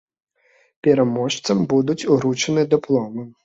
Пераможцам будуць уручаны дыпломы.